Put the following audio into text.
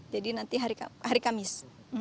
jadi nanti hari kamis